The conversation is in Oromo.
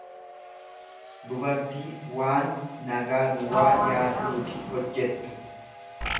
dubartii waan nagaa duwwaa yaadduufi hojjettu.